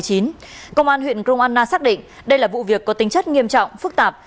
công an huyện công an na xác định đây là vụ việc có tính chất nghiêm trọng phức tạp